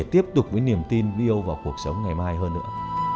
tiếp tục với niềm tin yêu vào cuộc sống ngày mai hơn nữa